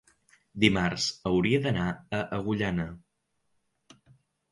dimarts hauria d'anar a Agullana.